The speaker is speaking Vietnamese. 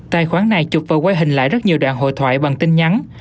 tài khoản này chụp và quay hình lại rất nhiều đoạn hội thoại bằng tin nhắn